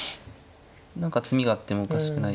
何か詰みがあってもおかしくない。